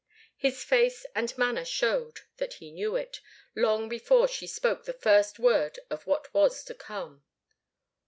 His face and manner showed that he knew it, long before she spoke the first word of what was to come.